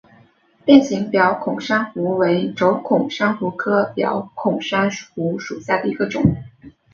变形表孔珊瑚为轴孔珊瑚科表孔珊瑚属下的一个种。